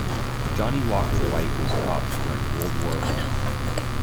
"Johnnie Walker White" was dropped during World War One.